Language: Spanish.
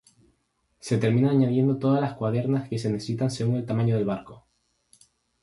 Se termina añadiendo todas las cuadernas que se necesitan según el tamaño del barco.